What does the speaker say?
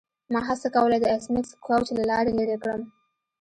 ما هڅه کوله د ایس میکس کوچ له لارې لیرې کړم